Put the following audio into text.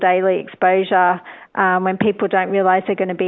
dan mereka pikir mereka tidak mengenai